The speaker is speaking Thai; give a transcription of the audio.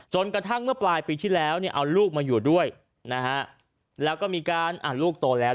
กระทั่งเมื่อปลายปีที่แล้วเนี่ยเอาลูกมาอยู่ด้วยนะฮะแล้วก็มีการลูกโตแล้ว